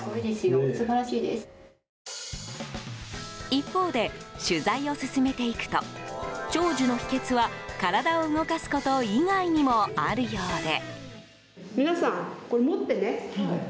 一方で、取材を進めていくと長寿の秘訣は体を動かすこと以外にもあるようで。